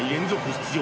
出場